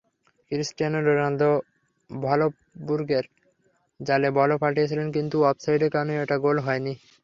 Cristiano Ronaldo ভলফসবুর্গের জালে বলও পাঠিয়েছিলেন, কিন্তু অফসাইডের কারণে ওটা গোল হয়নি।